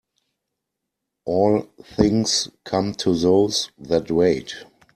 All things come to those that wait.